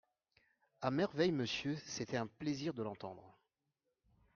À merveille, monsieur ; c’était un plaisir de l’entendre.